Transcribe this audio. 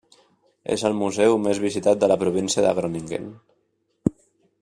És el museu més visitat de la província de Groningen.